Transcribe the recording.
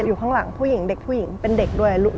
อยู่ข้างหลังผู้หญิงเด็กผู้หญิงเป็นเด็กด้วย